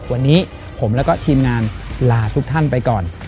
วันนี้ผมแล้วก็ทีมงานลาทุกท่านไปก่อน